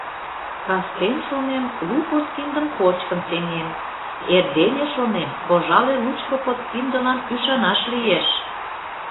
Кастен, шонем, лу подкиндым кочкын сеҥем, эрдене, шонем, пожале лучко подкиндылан ӱшанаш лиеш.